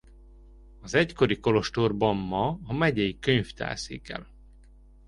Az egykori kolostorban ma a megyei könyvtár székel.